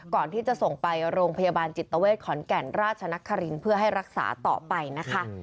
ก่อนที่จะส่งไปโรงพยาบาลจิตเวทขอนแก่นราชนครินทร์เพื่อให้รักษาต่อไปนะคะ